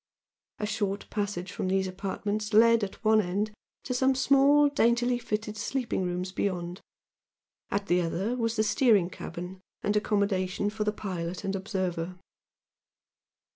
A short passage from these apartments led at one end to some small, daintily fitted sleeping rooms beyond, at the other was the steering cabin and accommodation for the pilot and observer.